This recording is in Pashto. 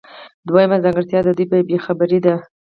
دویمه ځانګړتیا د دوی بې خبري ده.